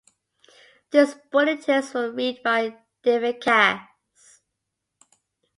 These bulletins were read by David Cass.